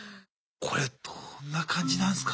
これどんな感じなんすか？